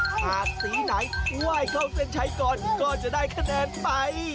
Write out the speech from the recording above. หากสีไหนไหว้เข้าเส้นชัยก่อนก็จะได้คะแนนไป